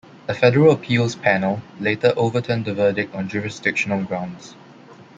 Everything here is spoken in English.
A federal appeals panel later overturned the verdict on jurisdictional grounds.